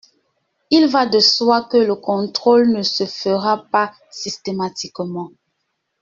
Il va de soi que le contrôle ne se fera pas systématiquement.